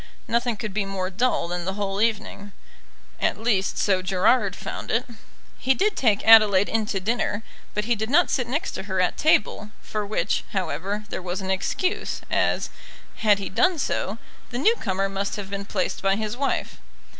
Nothing could be more dull than the whole evening. At least so Gerard found it. He did take Adelaide in to dinner, but he did not sit next to her at table, for which, however, there was an excuse, as, had he done so, the new comer must have been placed by his wife.